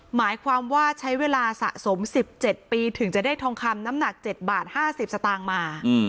หมายความว่าใช้เวลาสะสม๑๗ปีถึงจะได้ทองคำน้ำหนัก๗บาท๕๐สตางค์มา